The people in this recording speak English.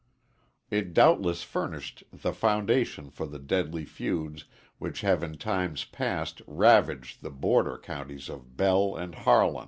It doubtless furnished the foundation for the deadly feuds which have in times passed ravaged the border counties of Bell and Harlan.